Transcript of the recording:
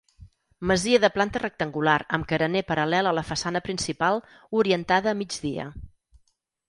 Masia de planta rectangular amb carener paral·lel a la façana principal, orientada a migdia.